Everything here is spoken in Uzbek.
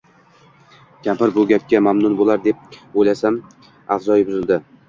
Kampir bu gapga mamnun bo‘lar, deb o‘ylasam, avzoyi buzildi.